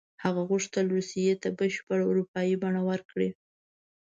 هغه غوښتل روسیې ته بشپړه اروپایي بڼه ورکړي.